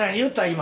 今。